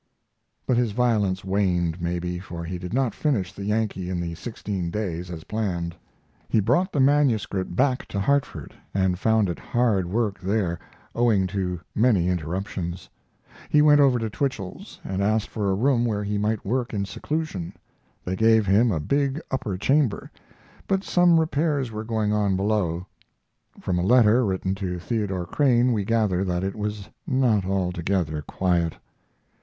But his violence waned, maybe, for he did not finish the Yankee in the sixteen days as planned. He brought the manuscript back to Hartford, but found it hard work there, owing to many interruptions. He went over to Twichell's and asked for a room where he might work in seclusion. They gave him a big upper chamber, but some repairs were going on below. From a letter written to Theodore Crane we gather that it was not altogether quiet.